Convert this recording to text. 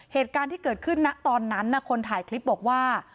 เหตุการณ์ที่เกิดขึ้นนะตอนนั้นคนถ่ายคลิปบอกว่า